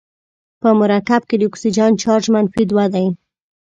په مرکب کې د اکسیجن چارج منفي دوه دی.